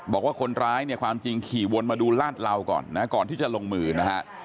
บอกว่าคนร้ายเนี่ยความจริงขี่วนมาดูลาดเหลาก่อนนะก่อนที่จะลงมือนะฮะ